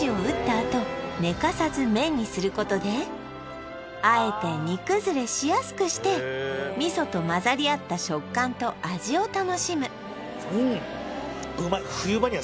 あと寝かさず麺にすることであえて煮崩れしやすくして味噌とまざりあった食感と味を楽しむうん